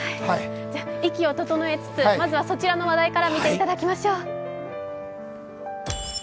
息を整えつつ、そちらの話題から見ていただきましょう。